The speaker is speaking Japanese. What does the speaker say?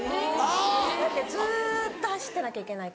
だってずっと走ってなきゃいけないから。